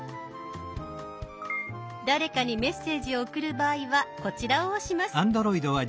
誰かにメッセージを送る場合はこちらを押します。